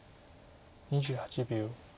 ２８秒。